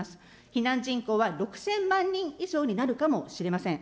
避難人口は６０００万人以上になるかもしれません。